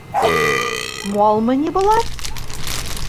Малмы ни былар?!